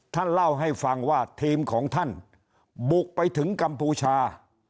ท่านเล่าให้ฟังว่าทีมของท่านบุกไปถึงกัมพูชา